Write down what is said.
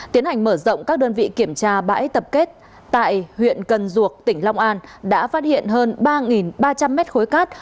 tiến hành mở rộng các đơn vị kiểm tra bãi tập kết tại huyện cần duộc tỉnh long an đã phát hiện hơn ba ba trăm linh mét khối cát